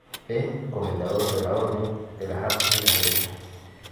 Es comendador de la Orden de las Artes y las Letras.